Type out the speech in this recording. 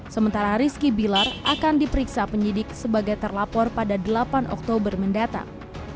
sementara rizky bilar akan diperiksa penyidik sebagai terlapor pada delapan oktober mendatang